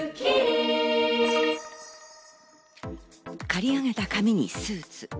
刈り上げた髪にスーツ。